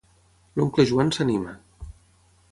L'oncle Joan s'anima.